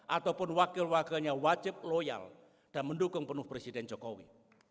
ataupun wakil wakilnya wajib loyal dan mendukung penuh presiden jokowi